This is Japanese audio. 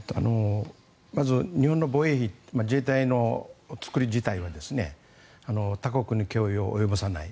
まず日本の防衛費自衛隊の作り自体は他国に脅威を及ぼさない。